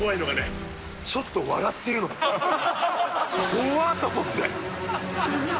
「怖っ！」と思って。